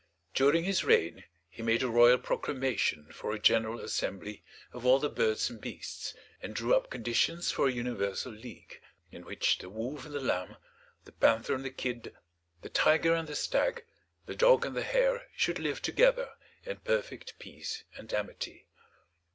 During his reign he made a royal proclamation for a general assembly of all the birds and beasts, and drew up conditions for a universal league, in which the Wolf and the Lamb, the Panther and the Kid, the Tiger and the Stag, the Dog and the Hare, should live together in perfect peace and amity.